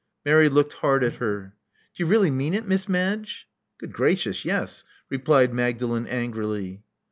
Mary looked hard at her. "D'ye really mean it. Miss Madge?" "Good gracious, yes!" replied Magdalen angrily.